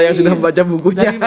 yang sudah membaca bukunya